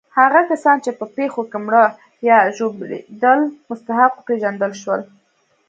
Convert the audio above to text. هغه کسان چې په پېښو کې مړه یا ژوبلېدل مستحق وپېژندل شول.